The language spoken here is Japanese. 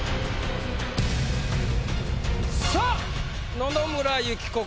さあ野々村友紀子か？